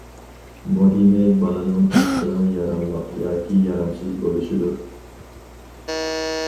مۇھىمى بالىنىڭ ئاتىسىنىڭ« ياراملىق» ياكى« يارامسىز» بولۇشىدۇر.